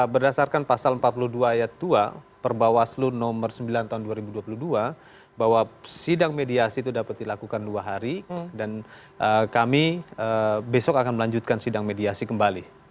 berdasarkan pasal empat puluh dua ayat dua perbawaslu nomor sembilan tahun dua ribu dua puluh dua bahwa sidang mediasi itu dapat dilakukan dua hari dan kami besok akan melanjutkan sidang mediasi kembali